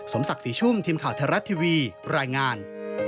สมศักดิ์สี่ชุมทีมข่าวทรัศน์ทีวีรายงาน